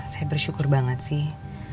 saya bersyukur banget sih